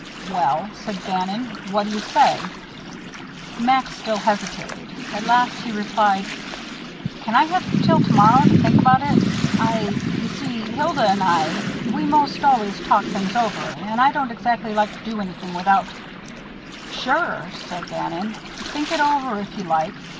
"Well," said Bannon, "what do you say?" Max still hesitated. At last he replied: "Can I have till to morrow to think about it? I you see, Hilda and I, we most always talk things over, and I don't exactly like to do anything without " "Sure," said Bannon; "think it over if you like.